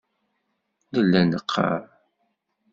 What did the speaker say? Nella neqqaṛ.